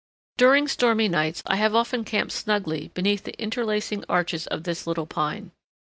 During stormy nights I have often camped snugly beneath the interlacing arches of this little pine.